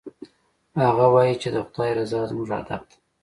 هغه وایي چې د خدای رضا زموږ هدف ده